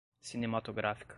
cinematográfica